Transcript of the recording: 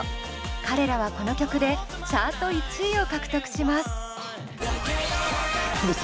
彼らはこの曲でチャート１位を獲得します。